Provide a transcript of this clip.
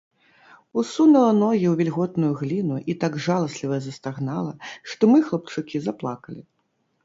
Усунула ногі ў вільготную гліну і так жаласліва застагнала, што мы, хлапчукі, заплакалі.